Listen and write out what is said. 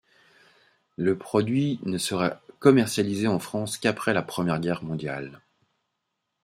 Le produit ne sera commercialisé en France qu'après la Première Guerre mondiale.